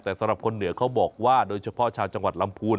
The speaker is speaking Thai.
แต่สำหรับคนเหนือเขาบอกว่าโดยเฉพาะชาวจังหวัดลำพูน